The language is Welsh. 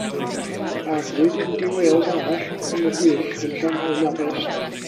Arwydd indy Wales arall yn y gwyllt yn Aberystwyth.